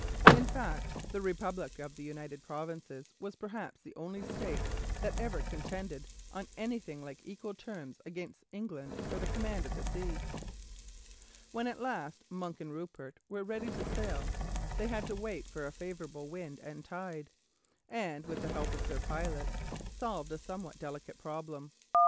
In fact, the republic of the United Provinces was perhaps the only state that ever contended on anything like equal terms against England for the command of the sea. When at last Monk and Rupert were ready to sail they had to wait for a favourable wind and tide, and, with the help of their pilots, solve a somewhat delicate problem.